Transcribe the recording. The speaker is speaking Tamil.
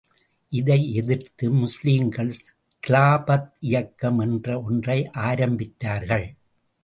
இதை எதிர்த்து முஸ்லீம்கள் கிலாபத் இயக்கம் என்ற ஒன்றை ஆரம்பித்தார்கள்.